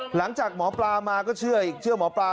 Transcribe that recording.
หลังจากหมอปลามาก็เชื่ออีกเชื่อหมอปลา